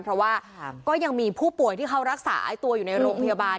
เพราะว่าก็ยังมีผู้ป่วยที่เขารักษาตัวอยู่ในโรงพยาบาล